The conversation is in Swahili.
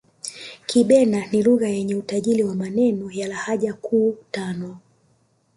Kibena ni Lugha yenye utajiri wa maneno na lahaja kuu tano